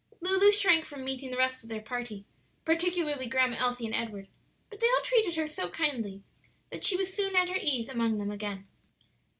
Lulu shrank from meeting the rest of their party, particularly Grandma Elsie and Edward; but they all treated her so kindly that she was soon at her ease among them again.